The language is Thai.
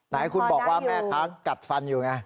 ไหนคุณบอกว่าแม่ค้ากัดฟันอยู่ไง